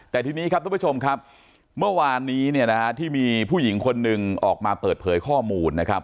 แต่ทีนี้ครับทุกผู้ชมครับเมื่อวานนี้เนี่ยนะฮะที่มีผู้หญิงคนหนึ่งออกมาเปิดเผยข้อมูลนะครับ